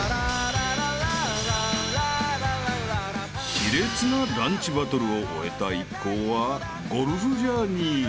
［熾烈なランチバトルを終えた一行はゴルフジャーニーへ］